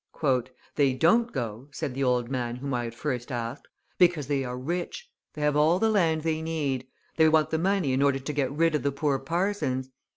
"They don't go," said the old man whom I had first asked, "because they are rich, they have all the land they need, they want the money in order to get rid of the poor parsons.